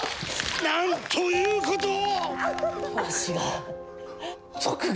なんということを！